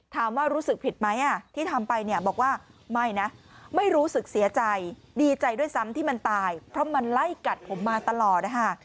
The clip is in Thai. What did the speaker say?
รู้สึกผิดไหมที่ทำไปเนี่ยบอกว่าไม่นะไม่รู้สึกเสียใจดีใจด้วยซ้ำที่มันตายเพราะมันไล่กัดผมมาตลอดนะคะ